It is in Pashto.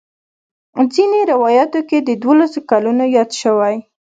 ځینې روایاتو کې د دولسو کلونو یاد شوی.